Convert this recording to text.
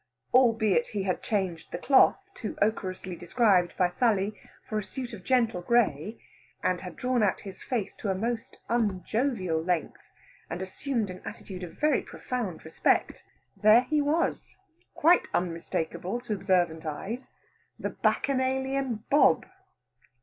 Albeit he had changed the cloth too ochrously described by Sally, for a suit of gentle gray, and had drawn out his face to a most unjovial length, and assumed an attitude of very profound respect, there he was, quite unmistakeable to observant eyes, the Bacchanalian Bob.